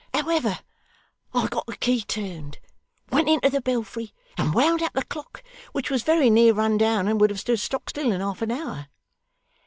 However, I got the key turned, went into the belfry, and wound up the clock which was very near run down, and would have stood stock still in half an hour.